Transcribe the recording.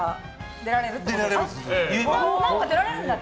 出られるんだって！